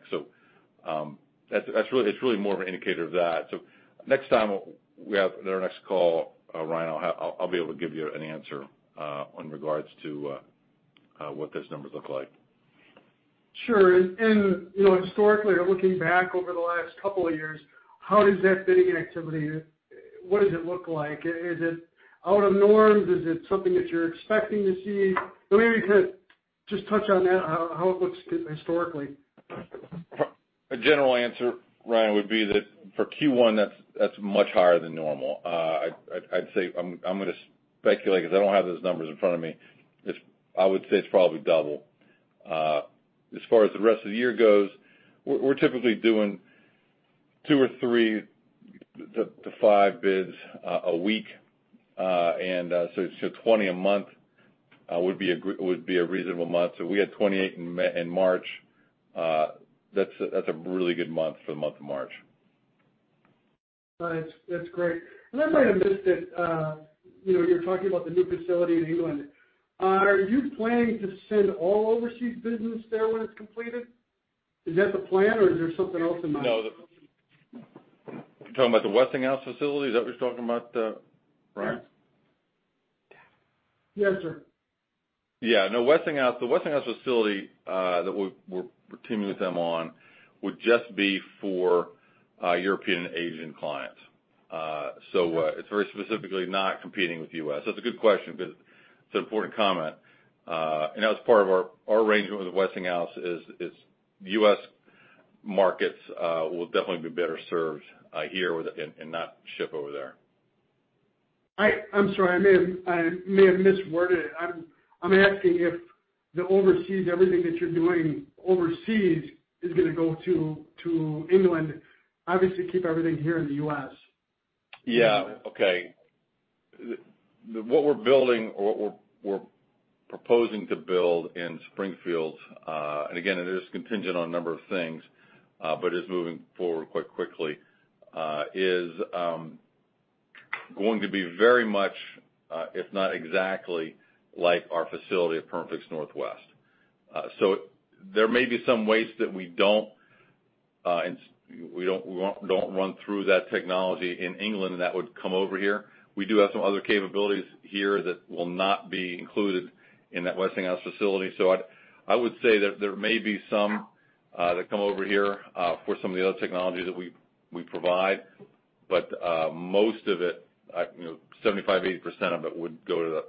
That's really more of an indicator of that. Next time we have our next call, Ryan, I'll be able to give you an answer in regards to what those numbers look like. Sure. You know, historically, looking back over the last couple of years, how does that bidding activity, what does it look like? Is it out of norms? Is it something that you're expecting to see? Maybe you could just touch on that, how it looks historically. A general answer, Ryan, would be that for Q1, that's much higher than normal. I'd say I'm gonna speculate, 'cause I don't have those numbers in front of me. It's probably double. As far as the rest of the year goes, we're typically doing two or three to five bids a week, and so 20 a month would be a reasonable month. We had 28 in March. That's a really good month for the month of March. All right. That's great. I might have missed it, you know, you're talking about the new facility in England. Are you planning to send all overseas business there when it's completed? Is that the plan or is there something else in mind? No. You talking about the Westinghouse facility? Is that what you're talking about, Ryan? Yes. Yes, sir. Yeah. No, Westinghouse, the Westinghouse facility that we're teaming with them on would just be for European and Asian clients. It's very specifically not competing with U.S. That's a good question because it's an important comment. That was part of our arrangement with Westinghouse, U.S. markets will definitely be better served here with it and not ship over there. I'm sorry. I may have misworded it. I'm asking if everything that you're doing overseas is gonna go to England. Obviously, keep everything here in the U.S. What we're proposing to build in Springfields, and again, it is contingent on a number of things, but is moving forward quite quickly, is going to be very much, if not exactly like our facility at Perma-Fix Northwest. There may be some waste that we don't run through that technology in England that would come over here. We do have some other capabilities here that will not be included in that Westinghouse facility. I would say that there may be some that come over here, for some of the other technologies that we provide, but, most of it, you know, 75%-80% of it would go to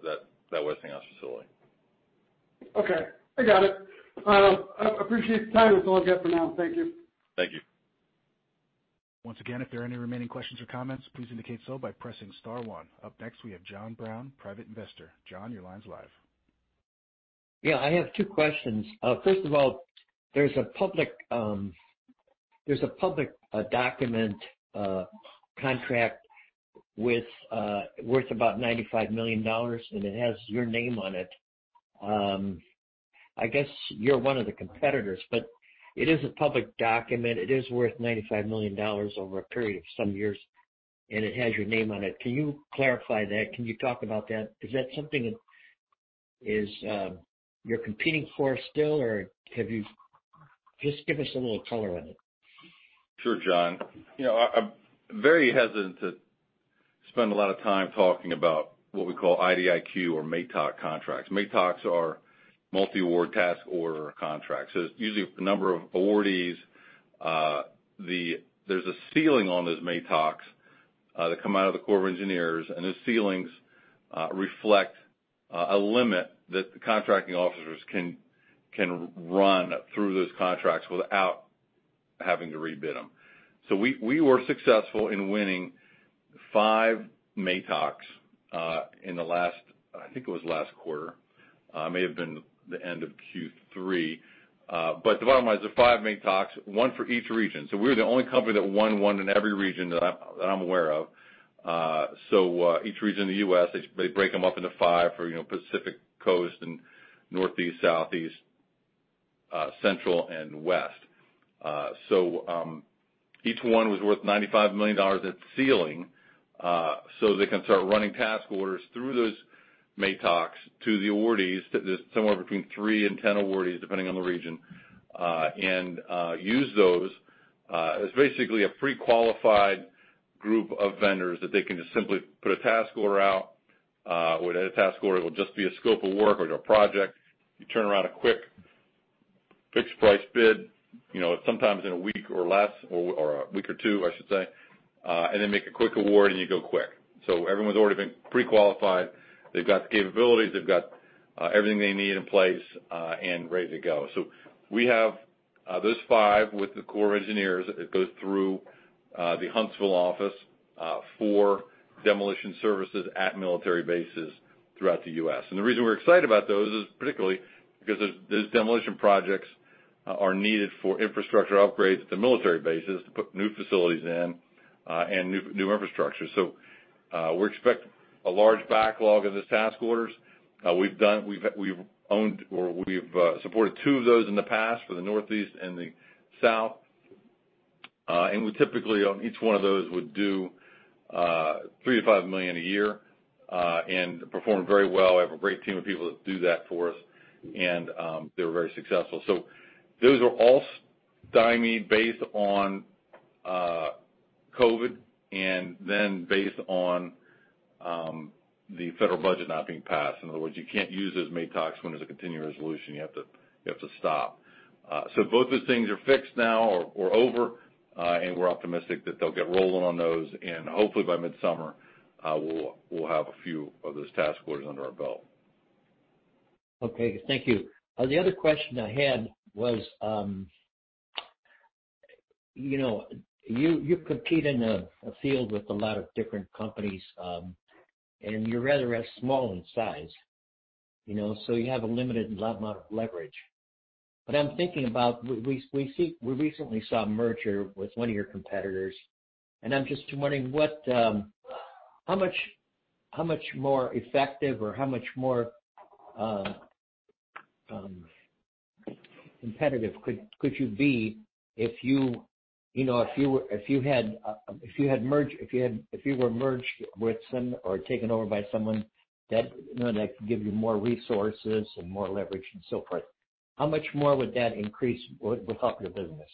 that Westinghouse facility. Okay. I got it. I appreciate the time. That's all I've got for now. Thank you. Thank you. Once again, if there are any remaining questions or comments, please indicate so by pressing star one. Up next, we have John Brown, Private Investor. John, your line's live. Yeah, I have two questions. First of all, there's a public document contract with worth about $95 million, and it has your name on it. I guess you're one of the competitors, but it is a public document. It is worth $95 million over a period of some years, and it has your name on it. Can you clarify that? Can you talk about that? Is that something you're competing for still? Just give us a little color on it. Sure, John. You know, I'm very hesitant to spend a lot of time talking about what we call IDIQ or MATOC contracts. MATOCs are multi-award task order contracts. It's usually a number of awardees. There's a ceiling on those MATOCs that come out of the Corps of Engineers, and those ceilings reflect a limit that the contracting officers can run through those contracts without having to rebid them. We were successful in winning five MATOCs in the last quarter. I think it was last quarter. May have been the end of Q3. But the bottom line is the five MATOCs, one for each region. We're the only company that won one in every region that I'm aware of. Each region in the U.S., they break them up into five for, you know, Pacific Coast and Northeast, Southeast, Central and West. Each one was worth $95 million at the ceiling, so they can start running task orders through those MATOCs to the awardees, somewhere between three and 10 awardees, depending on the region, and use those as basically a pre-qualified group of vendors that they can just simply put a task order out, or that task order will just be a scope of work or a project. You turn around a quick fixed price bid, you know, sometimes in a week or less, or a week or two, I should say, and then make a quick award, and you go quick. Everyone's already been pre-qualified. They've got the capabilities. They've got everything they need in place and ready to go. We have those five with the Corps of Engineers. It goes through the Huntsville office for demolition services at military bases throughout the U.S. The reason we're excited about those is particularly because those demolition projects are needed for infrastructure upgrades at the military bases to put new facilities in and new infrastructure. We expect a large backlog of these task orders. We've owned or supported 2 of those in the past for the Northeast and the South. We typically, on each one of those, would do $3 million-$5 million a year and perform very well. I have a great team of people that do that for us, and they're very successful. Those were all stymied based on COVID and then based on the federal budget not being passed. In other words, you can't use those MATOCs when there's a continuing resolution. You have to stop. Both those things are fixed now or over, and we're optimistic that they'll get rolling on those, and hopefully by midsummer, we'll have a few of those task orders under our belt. Okay. Thank you. The other question I had was, you know, you compete in a field with a lot of different companies, and you're rather small in size, you know, so you have a limited amount of leverage. I'm thinking about we recently saw a merger with one of your competitors, and I'm just wondering, how much more effective or how much more competitive could you be if you know, if you were merged with someone or taken over by someone that you know, that could give you more resources and more leverage and so forth, how much more would that increase or would help your business?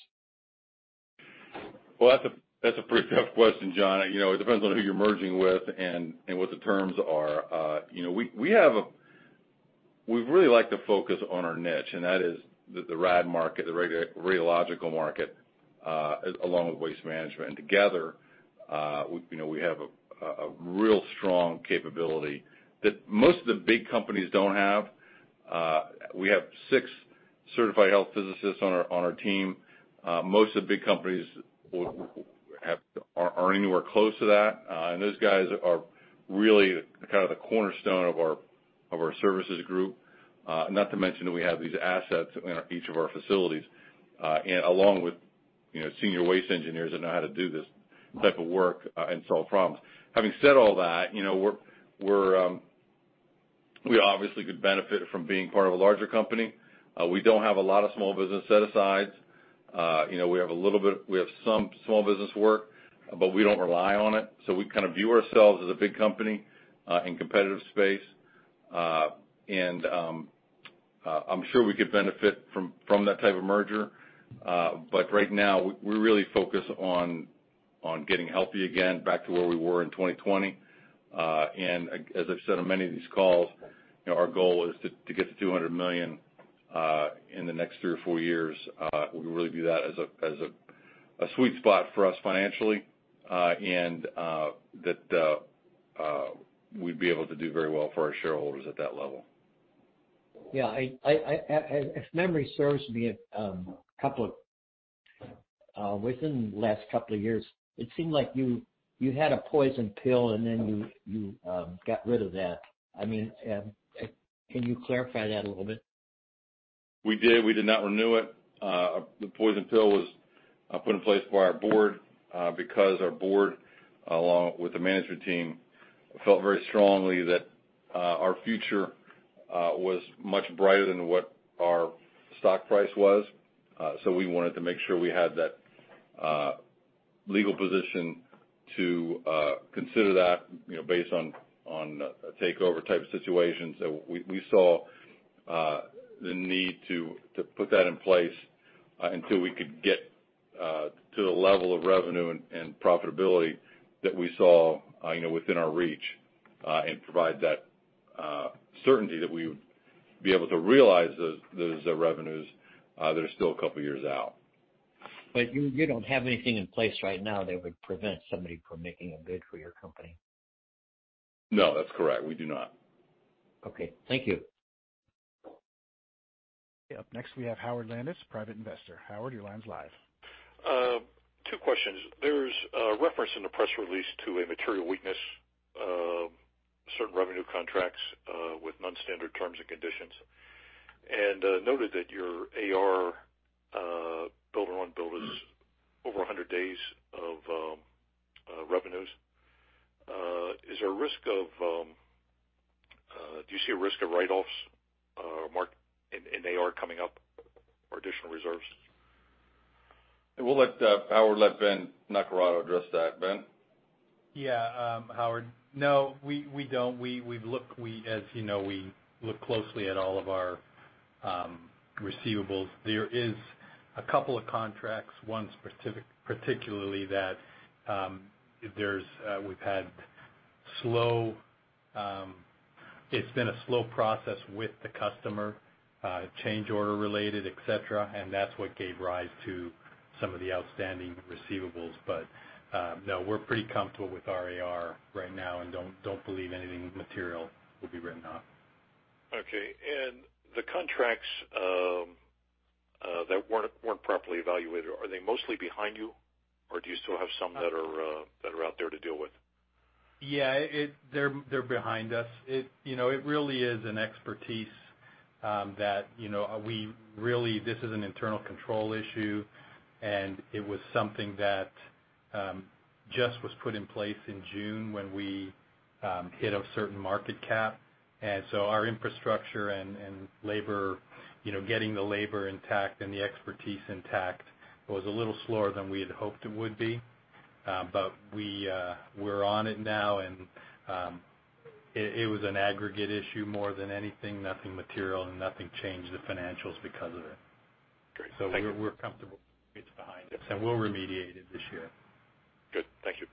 That's a pretty tough question, John. You know, it depends on who you're merging with and what the terms are. You know, we really like to focus on our niche, and that is the RAD market, the radiological market, along with waste management. Together, you know, we have a real strong capability that most of the big companies don't have. We have six certified health physicists on our team. Most of the big companies aren't anywhere close to that. Those guys are really kind of the cornerstone of our services group. Not to mention that we have these assets in each of our facilities, and along with, you know, senior waste engineers that know how to do this type of work, and solve problems. Having said all that, we obviously could benefit from being part of a larger company. We don't have a lot of small business set-asides. We have some small business work, but we don't rely on it. We kind of view ourselves as a big company in competitive space. I'm sure we could benefit from that type of merger. Right now, we're really focused on getting healthy again, back to where we were in 2020. As I've said on many of these calls, you know, our goal is to get to $200 million in the next three or four years. We really view that as a sweet spot for us financially, and that we'd be able to do very well for our shareholders at that level. Yeah. If memory serves me, within the last couple of years, it seemed like you got rid of that. I mean, can you clarify that a little bit? We did. We did not renew it. The poison pill was put in place by our board because our board, along with the management team, felt very strongly that our future was much brighter than what our stock price was. So we wanted to make sure we had that legal position to consider that, you know, based on a takeover type situation. We saw the need to put that in place until we could get to the level of revenue and profitability that we saw, you know, within our reach, and provide that certainty that we would be able to realize those revenues that are still a couple of years out. You don't have anything in place right now that would prevent somebody from making a bid for your company. No, that's correct. We do not. Okay. Thank you. Up next, we have Howard Landis, Private Investor. Howard, your line's live. Two questions. There's a reference in the press release to a material weakness, certain revenue contracts, with non-standard terms and conditions. Noted that your AR billing on billing is over 100 days of revenues. Do you see a risk of write-offs, Mark, in AR coming up or additional reserves? We'll let Howard let Ben Naccarato address that. Ben? Yeah, Howard. No, we don't. We as you know, we look closely at all of our receivables. There is a couple of contracts, particularly that we've had a slow, it's been a slow process with the customer, change order related, et cetera, and that's what gave rise to some of the outstanding receivables. No, we're pretty comfortable with our AR right now and don't believe anything material will be written off. Okay. The contracts that weren't properly evaluated, are they mostly behind you, or do you still have some that are out there to deal with? Yeah, they're behind us. It really is an expertise that this is an internal control issue, and it was something that just was put in place in June when we hit a certain market cap. Our infrastructure and labor, you know, getting the labor intact and the expertise intact was a little slower than we had hoped it would be. We're on it now, and it was an aggregate issue more than anything. Nothing material, and nothing changed the financials because of it. Great. Thank you. We're comfortable it's behind us, and we'll remediate it this year. Good. Thank you.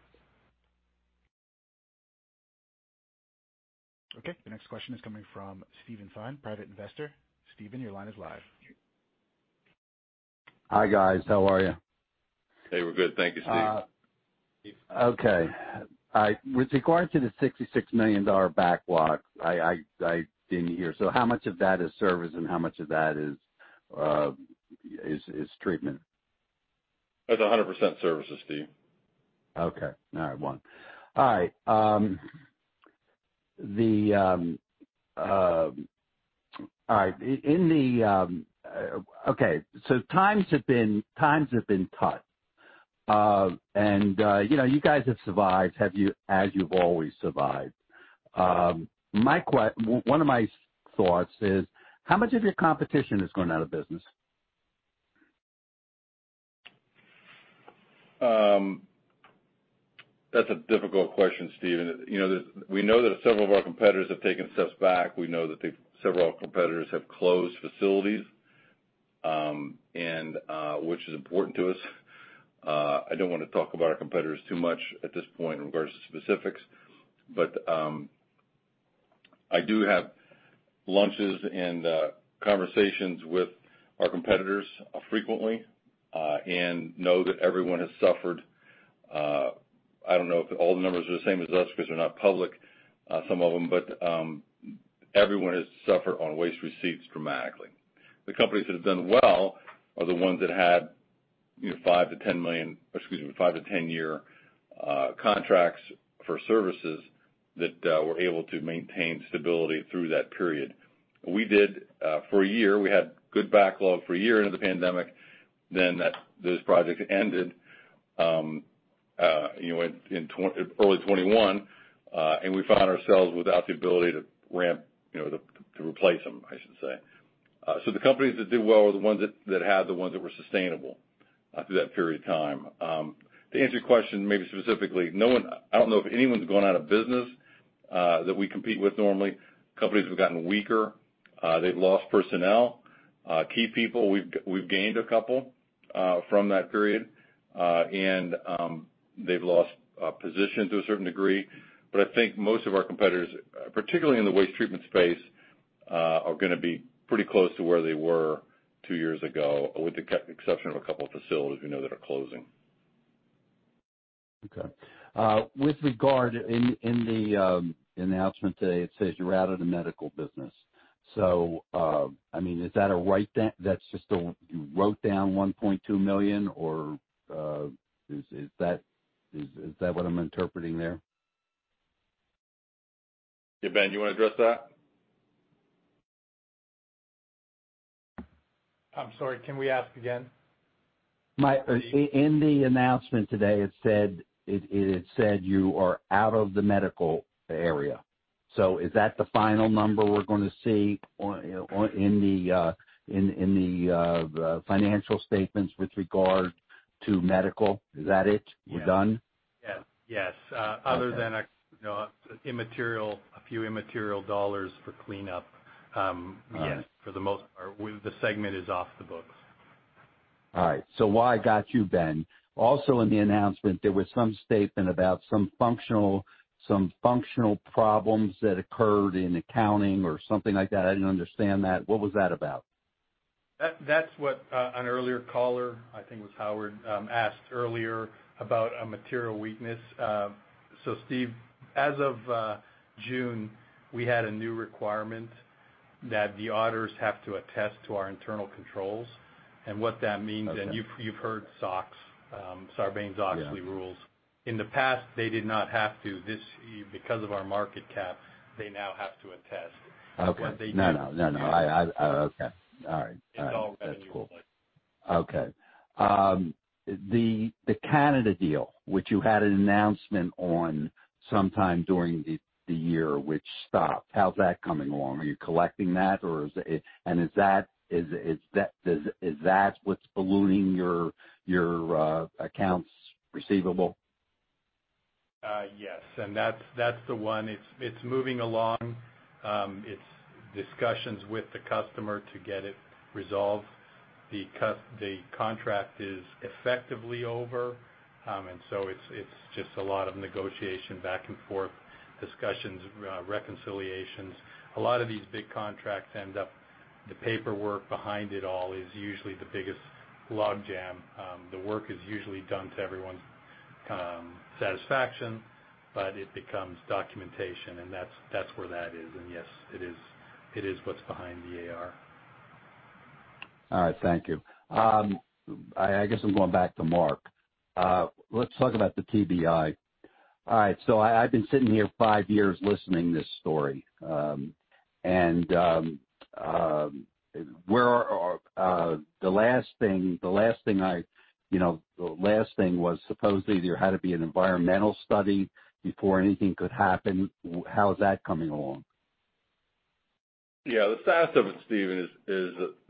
Okay. The next question is coming from Steven Tan, private investor. Steven, your line is live. Hi, guys. How are you? Hey, we're good. Thank you, Steve. Okay. With regard to the $66 million backlog, I didn't hear. So how much of that is service and how much of that is treatment? That's 100% services, Steve. Okay. All right. Well. All right. Times have been tough. You know, you guys have survived as you've always survived. One of my thoughts is, how much of your competition is going out of business? That's a difficult question, Steven. You know, we know that several of our competitors have taken steps back. Several of our competitors have closed facilities, and which is important to us. I don't wanna talk about our competitors too much at this point in regards to specifics. I do have lunches and conversations with our competitors frequently and know that everyone has suffered. I don't know if all the numbers are the same as us because they're not public, some of them, but everyone has suffered on waste receipts dramatically. The companies that have done well are the ones that had, you know, five to ten million, or excuse me, five- to ten-year contracts for services that were able to maintain stability through that period. We did, for a year, we had good backlog for a year into the pandemic, then those projects ended, you know, in early 2021, and we found ourselves without the ability to ramp, you know, to replace them, I should say. The companies that did well were the ones that had the ones that were sustainable through that period of time. To answer your question maybe specifically, no one. I don't know if anyone's gone out of business, that we compete with normally. Companies have gotten weaker. They've lost personnel, key people. We've gained a couple from that period, and they've lost position to a certain degree. I think most of our competitors, particularly in the waste treatment space, are gonna be pretty close to where they were two years ago, with the exception of a couple of facilities we know that are closing. With regard to the announcement today, it says you're out of the medical business. I mean, is that a write-down? You wrote down $1.2 million or is that what I'm interpreting there? Yeah, Ben, you wanna address that? I'm sorry, can we ask again? In the announcement today, it said you are out of the medical area. Is that the final number we're gonna see on, you know, in the financial statements with regard to medical? Is that it? You're done? Yeah. Yes. Okay. Other than, you know, a few immaterial dollars for cleanup. Yes For the most part, the segment is off the books. All right. So I got you, Ben. Also in the announcement, there was some statement about some functional problems that occurred in accounting or something like that. I didn't understand that. What was that about? That's what an earlier caller, I think it was Howard, asked earlier about a material weakness. Steve, as of June, we had a new requirement that the auditors have to attest to our internal controls. What that means- Okay. You've heard SOX, Sarbanes-Oxley rules. Yeah. In the past, they did not have to. This year, because of our market cap, they now have to attest. Okay. What they did- No. Okay. All right. It's all good. That's cool. Okay. The Canada deal, which you had an announcement on sometime during the year which stopped. How's that coming along? Are you collecting that or is it? Is that what's ballooning your accounts receivable? Yes. That's the one. It's moving along. It's discussions with the customer to get it resolved because the contract is effectively over. It's just a lot of negotiation back and forth, discussions, reconciliations. A lot of these big contracts end up the paperwork behind it all is usually the biggest log jam. The work is usually done to everyone's satisfaction, but it becomes documentation, and that's where that is. Yes, it is what's behind the AR. All right. Thank you. I guess I'm going back to Mark. Let's talk about the TBI. All right. I've been sitting here five years listening to this story. Where are we? The last thing, you know, was supposedly there had to be an environmental study before anything could happen. How is that coming along? Yeah. The status of it, Steve, is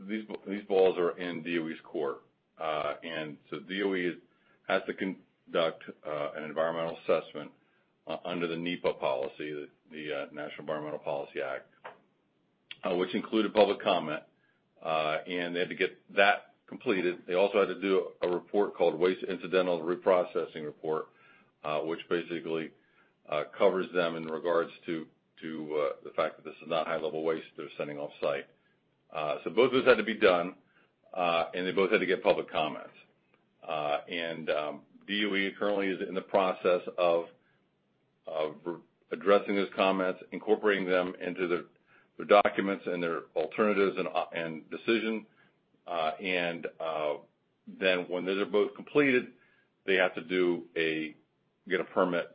the ball is in DOE's court. DOE has to conduct an environmental assessment under NEPA, the National Environmental Policy Act, which included public comment. They had to get that completed. They also had to do a report called Waste Incidental to Reprocessing Report, which basically covers them in regards to the fact that this is not high-level waste they're sending off site. Both of those had to be done, and they both had to get public comments. DOE currently is in the process of addressing those comments, incorporating them into their documents and their alternatives and decision. When those are both completed, they have to get a permit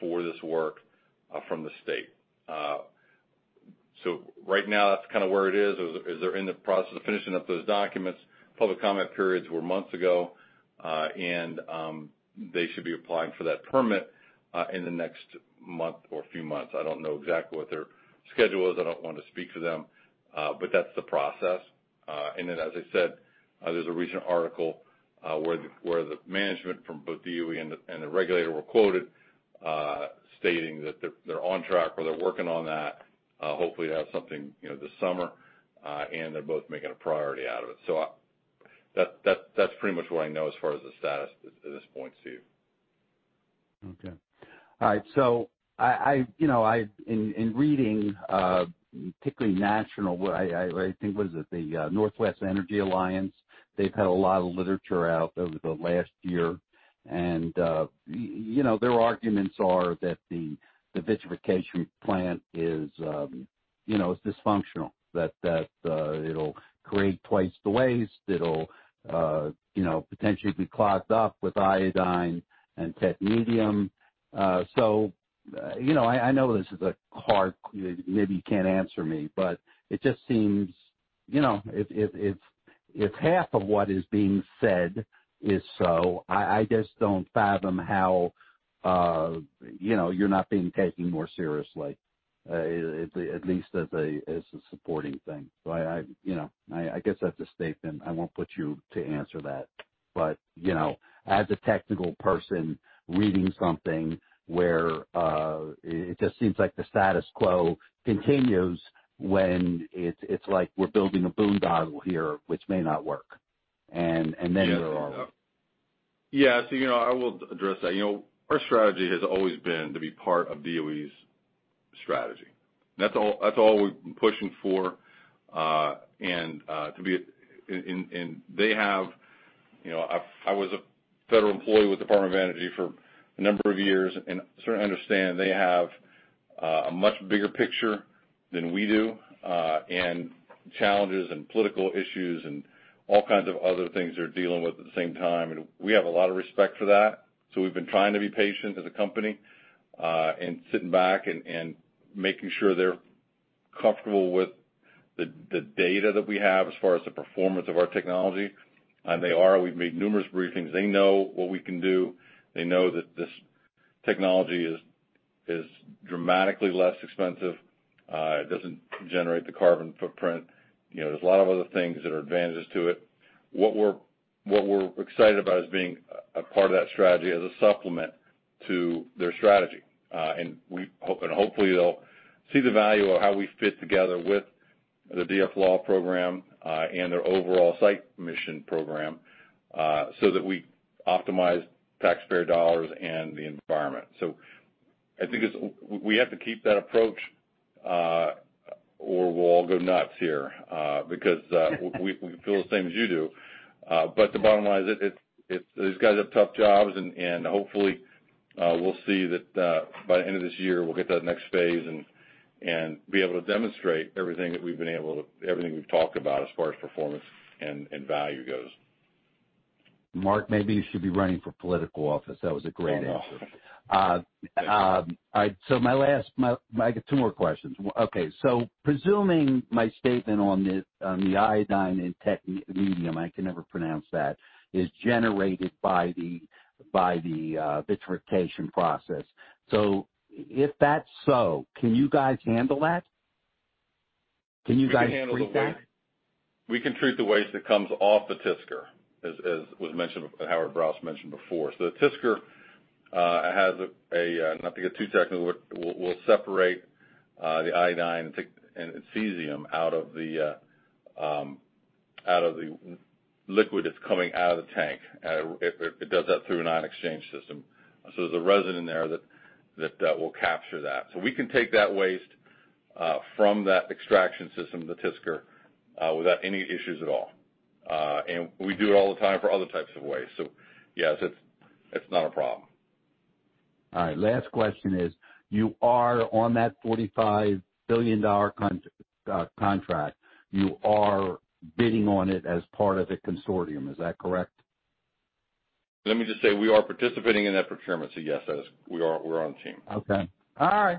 for this work from the state. Right now that's kinda where it is as they're in the process of finishing up those documents. Public comment periods were months ago, and they should be applying for that permit in the next month or few months. I don't know exactly what their schedule is. I don't want to speak to them, but that's the process. As I said, there's a recent article where the management from both DOE and the regulator were quoted stating that they're on track or they're working on that hopefully to have something, you know, this summer. They're both making a priority out of it. That's pretty much what I know as far as the status at this point, Steve. Okay. All right. I, you know, in reading, particularly what I think was the Northwest Energy Alliance. They've had a lot of literature out over the last year. You know, their arguments are that the vitrification plant is, you know, dysfunctional. That it'll create twice the waste. It'll, you know, potentially be clogged up with iodine and technetium. You know, I know this is hard, maybe you can't answer me, but it just seems, you know, if 1/2 of what is being said is so, I just don't fathom how, you know, you're not being taken more seriously, at least as a supporting thing. I, you know, I guess that's a statement. I won't put you to answer that. You know, as a technical person reading something where it just seems like the status quo continues when it's like we're building a boondoggle here, which may not work. Then there are- Yeah. You know, I will address that. You know, our strategy has always been to be part of DOE's strategy. That's all we've been pushing for. You know, I was a federal employee with Department of Energy for a number of years, and so I understand they have a much bigger picture than we do, and challenges and political issues and all kinds of other things they're dealing with at the same time. We have a lot of respect for that. We've been trying to be patient as a company, and sitting back and making sure they're comfortable with the data that we have as far as the performance of our technology. They are. We've made numerous briefings. They know what we can do. They know that this technology is dramatically less expensive. It doesn't generate the carbon footprint. You know, there's a lot of other things that are advantages to it. What we're excited about is being a part of that strategy as a supplement to their strategy. Hopefully they'll see the value of how we fit together with the DF-LAW program, and their overall site mission program, so that we optimize taxpayer dollars and the environment. I think it's. We have to keep that approach, or we'll all go nuts here, because we feel the same as you do. The bottom line is, it's these guys have tough jobs, and hopefully we'll see that by the end of this year we'll get to that next phase and be able to demonstrate everything we've talked about as far as performance and value goes. Mark, maybe you should be running for political office. That was a great answer. Oh, no. I got two more questions. Okay, presuming my statement on the iodine and technetium is generated by the vitrification process. If that's so, can you guys handle that? Can you guys treat that? We can handle the waste. We can treat the waste that comes off the TSCR, as was mentioned, Howard Brous mentioned before. The TSCR has, not to get too technical, we'll separate the iodine and cesium out of the liquid that's coming out of the tank. It does that through an ion exchange system. There's a resin there that will capture that. We can take that waste from that extraction system, the TSCR, without any issues at all. We do it all the time for other types of waste. Yes, it's not a problem. All right. Last question is, you are on that $45 billion contract. You are bidding on it as part of a consortium. Is that correct? Let me just say, we are participating in that procurement, so yes, we're on the team. Okay. All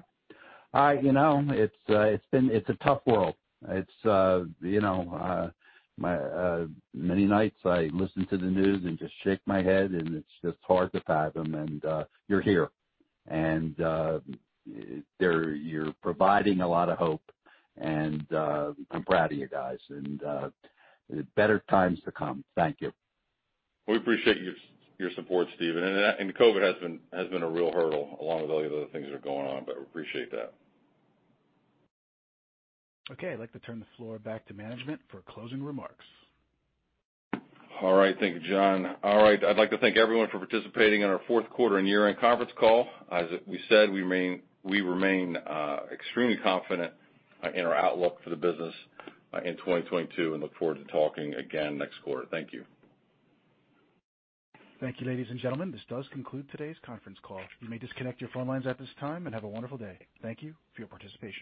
right. You know, it's a tough world. It's you know, many nights I listen to the news and just shake my head, and it's just hard to fathom. You're here. You're providing a lot of hope, and I'm proud of you guys and better times to come. Thank you. We appreciate your support, Steven. COVID has been a real hurdle along with all the other things that are going on, but we appreciate that. Okay, I'd like to turn the floor back to management for closing remarks. All right. Thank you, John. All right. I'd like to thank everyone for participating in our fourth quarter and year-end conference call. As we said, we remain extremely confident in our outlook for the business in 2022, and look forward to talking again next quarter. Thank you. Thank you, ladies and gentlemen. This does conclude today's conference call. You may disconnect your phone lines at this time and have a wonderful day. Thank you for your participation.